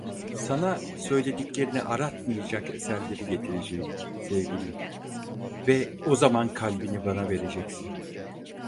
Sana söylediklerini aratmayacak eserleri getireceğim, sevgilim ve o zaman kalbini bana vereceksin…